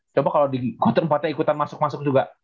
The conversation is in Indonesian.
coba kalau di quarter empat nya ikutan masuk masuk juga